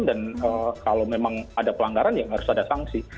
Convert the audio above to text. dan kalau memang ada pelanggaran ya harus ada sanksi